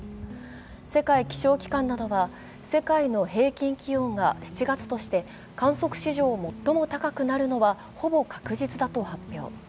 世界気象機関などは、世界の平均気温が７月として観測史上最も高くなるのはほぼ確実だと発表。